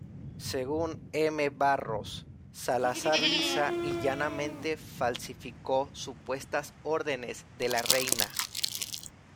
Según M. Barros, Salazar lisa y llanamente falsificó supuestas órdenes de la reina.